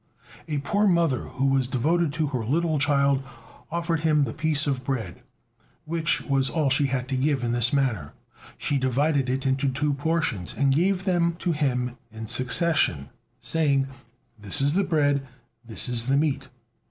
A poor mother who was devoted to her little child offered him the piece of bread which was all she had to give in this manner: she divided it into two portions, and gave them to him in succession, saying: "This is the bread, this is the meat."